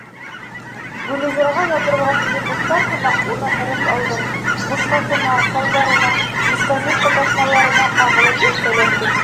Гулливерға ябырылған лилипуттар һымаҡ, уны һырып алдыҡ, бушлатына, салбарына, бескозырка таҫмаларына ҡағылып иркәләндек.